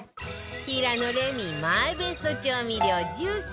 平野レミマイベスト調味料１０選